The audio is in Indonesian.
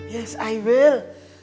ya aku akan